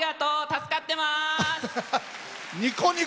助かってます！